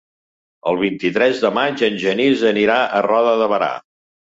El vint-i-tres de maig en Genís anirà a Roda de Berà.